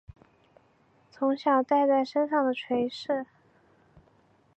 从小带在身上的垂饰